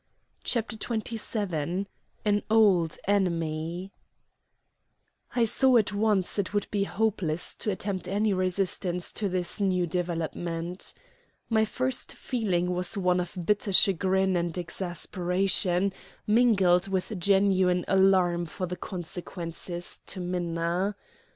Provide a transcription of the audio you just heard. CHAPTER XXVII AN OLD ENEMY I saw at once it would be hopeless to attempt any resistance to this new development. My first feeling was one of bitter chagrin and exasperation, mingled with genuine alarm for the consequences to Minna.